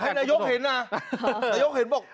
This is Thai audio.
นายกเห็นนะนายกเห็นบอก